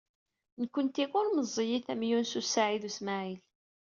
Nekkenti ur meẓẓiyit am Yunes u Saɛid u Smaɛil.